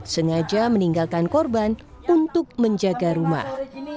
sengaja meninggalkan korban untuk menjaga rumah